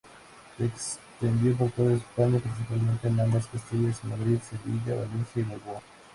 Se extendió por toda España, principalmente en ambas Castillas, Madrid, Sevilla, Valencia y Bilbao.